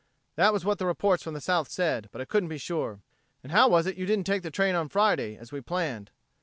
That was what the reports from the South said, but I couldn't be sure. And how was it you didn't take the train on Friday, as we planned?